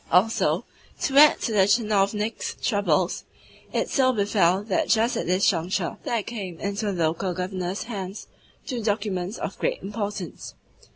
Also, to add to the tchinovniks' troubles, it so befell that just at this juncture there came into the local Governor's hands two documents of great importance.